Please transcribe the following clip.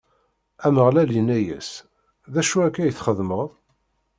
Ameɣlal inna-yas: D acu akka i txedmeḍ?